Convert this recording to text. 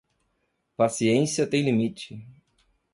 Paciência tem limite